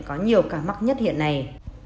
có nhiều càng mắc nhất hiện nay